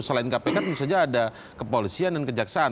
selain kpk misalnya ada kepolisian dan kejaksaan